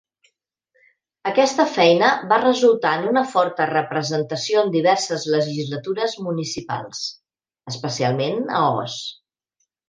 Aquesta feina va resultar en una forta representació en diverses legislatures municipals, especialment a Oss.